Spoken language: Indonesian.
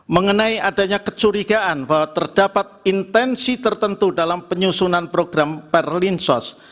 mengenai adanya kecurigaan bahwa terdapat intensi tertentu dalam penyusunan program perlinsos